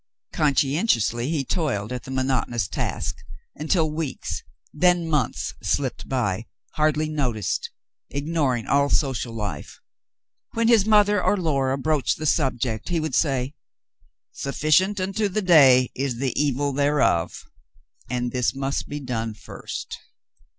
Conscientiously he toiled at the monotonous task, until weeks, then months, slipped by, hardly noticed, ignoring all social life. When his mother New Conditions 241 or Laura broached the subject, he would say :"* Sufficient unto the day is the evil thereof, ' and this must be done first."